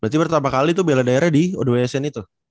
berarti pertama kali tuh bela daerah di o dua sn itu